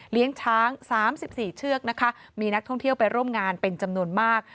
ช้าง๓๔เชือกนะคะมีนักท่องเที่ยวไปร่วมงานเป็นจำนวนมาก